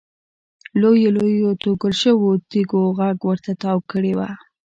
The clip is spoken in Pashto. لویو لویو توږل شویو تیږو غېږ ورته تاو کړې وه.